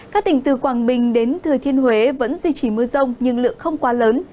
các tỉnh từ quảng bình đến thừa thiên huế vẫn duy trì mưa rông nhưng lượng không quá lớn